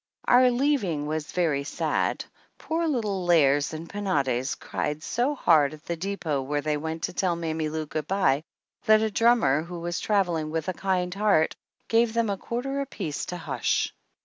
Our leaving was very sad, poor little Lares and Penates crying so hard at the depot where they went to tell Mammy Lou good by that a drummer who was traveling with a kind heart gave them a quarter apiece to hush.